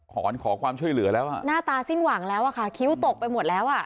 หอนขอความช่วยเหลือแล้วอ่ะหน้าตาสิ้นหวังแล้วอะค่ะคิ้วตกไปหมดแล้วอ่ะ